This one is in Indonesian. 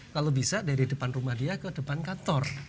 kalau bisa dari depan rumah dia ke depan kantor